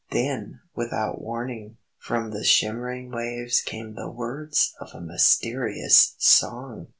Then, without warning, from the shimmering waves came the words of a mysterious song!